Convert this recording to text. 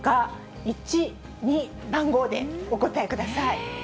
１、２、番号でお答えください。